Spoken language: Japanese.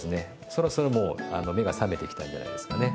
そろそろもう目が覚めてきたんじゃないですかね。